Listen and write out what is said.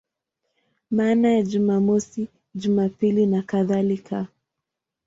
Maana ya Jumamosi, Jumapili nakadhalika.